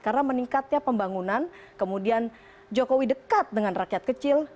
karena meningkatnya pembangunan kemudian jokowi dekat dengan rakyat kecil